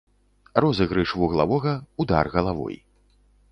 Розыгрыш вуглавога, удар галавой.